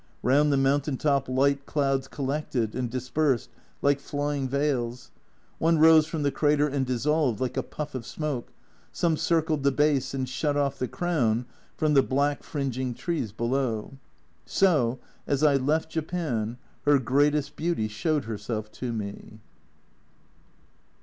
Round the mountain top light clouds collected and dispersed like flying veils ; one rose from the crater and dissolved like a puff of smoke, some circled the base and shut off the crown from the black fringing trees below. So, as I left Japan, her greatest beauty showed herself to me.